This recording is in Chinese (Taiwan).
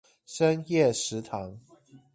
深夜食堂